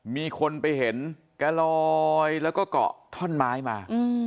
มีคนไปเห็นแกลอยแล้วก็เกาะท่อนไม้มา